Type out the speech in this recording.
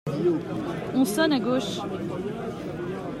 On sonne à gauche.